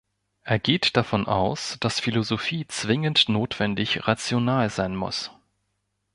Er geht davon aus, dass Philosophie zwingend notwendig rational sein muss.